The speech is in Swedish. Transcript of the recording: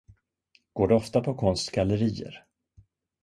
Går du ofta på konstgallerier?